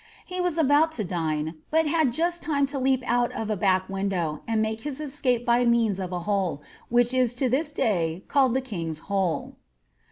He was about to dine, but had just time to leap out of a back window, and make his escape by means of a holci vhich is to this day called the King's Hole."